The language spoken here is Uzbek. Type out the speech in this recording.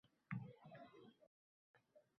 U erining bo‘yniga tomdi…